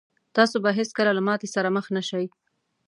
تاسو به هېڅکله له ماتې سره مخ نه شئ.